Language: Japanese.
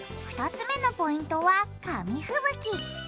２つ目のポイントは紙ふぶき。